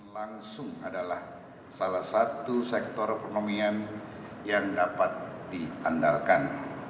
langsung adalah salah satu sektor ekonomi yang dapat diandalkan